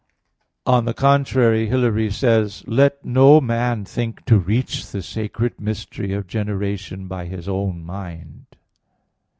On the contrary, Hilary says (De Trin. i), "Let no man think to reach the sacred mystery of generation by his own mind."